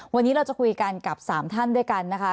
วันนี้เราจะคุยกันกับ๓ท่านด้วยกันนะคะ